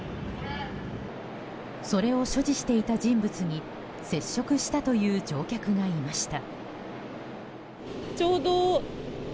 それを所持していた人物に接触したという乗客がいました。